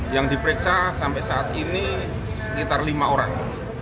yang diperiksa sampai saat ini sekitar lima orang